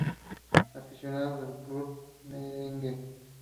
Aficionado del club Merengue.